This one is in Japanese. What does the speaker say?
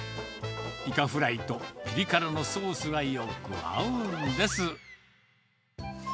イカフライとぴり辛のソースがよく合うんです。